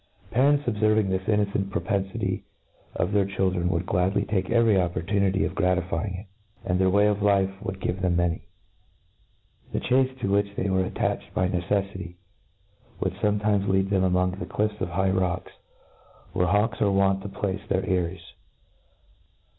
Parents, obferving this innoceiit propenflty of their children^ would gladly take every oppor tunity of gratifying it j «*and their way of life would give them many* The chace, to which they were attached by neccffity^ would fometimes lead them amoiig the clifts of high rocks, wherd hawks arc wont to place their eyries.